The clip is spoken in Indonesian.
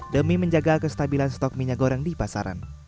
demi menjaga kestabilan stok minyak goreng di pasaran